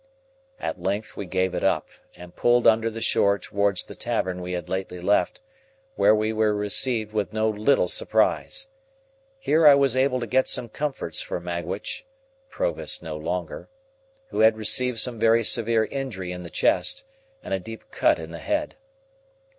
At length we gave it up, and pulled under the shore towards the tavern we had lately left, where we were received with no little surprise. Here I was able to get some comforts for Magwitch,—Provis no longer,—who had received some very severe injury in the chest, and a deep cut in the head.